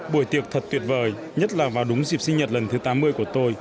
buổi tiệc thật tuyệt vời nhất là vào đúng dịp sinh nhật lần thứ tám mươi của tôi